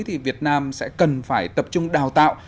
thì việt nam sẽ cần phải tập trung đào tạo